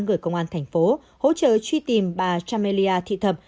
gửi công an thành phố hỗ trợ truy tìm bà chamelia thị thập